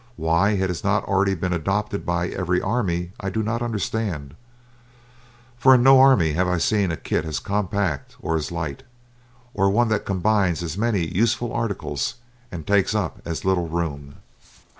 Why it has not already been adopted by every army I do not understand, for in no army have I seen a kit as compact or as light, or one that combines as many useful articles and takes up as little room.